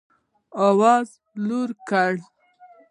آواز لوړ کړئ